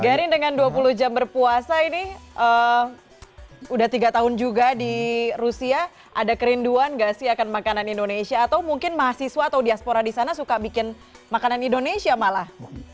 garin dengan dua puluh jam berpuasa ini udah tiga tahun juga di rusia ada kerinduan gak sih akan makanan indonesia atau mungkin mahasiswa atau diaspora di sana suka bikin makanan indonesia malah